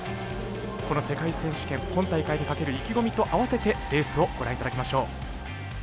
この世界選手権今大会にかける意気込みとあわせてレースをご覧いただきましょう。